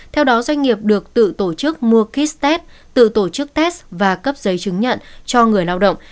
theo đó doanh nghiệp được tự tổ chức mua kit test tự tổ chức test và cấp giấy chứng nhận cho người lao động